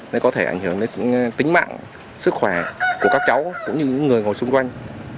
nó có thể ảnh hưởng đến tính mạng sức khỏe của các cháu cũng như những người ngồi xung quanh